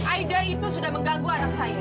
ida itu sudah mengganggu anak saya